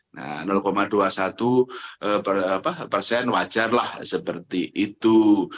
nah dua puluh satu persen wajarlah seperti itu